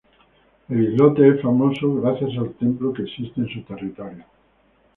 El islote es famoso, gracias al templo que existe en su territorio.